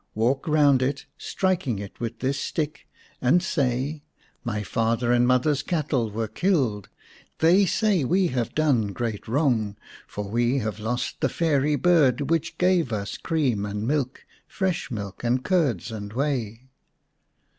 Walk round it, striking it with this stick, and say :' My father's and mother's cattle were killed. They say we have done great wrong, For we have lost the fairy bird Which gave us cream and milk, Fresh milk, and curds and whey.